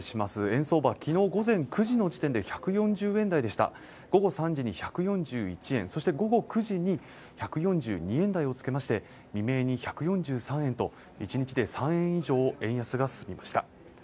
円相場はきのう午前９時の時点で１４０円台でした午後３時１４１円そして午後９時に１４２円台をつけまして未明に１４３円と１日で３位以上円安が進みました